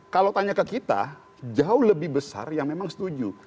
kalau tanya ke kita jauh lebih besar yang memang setuju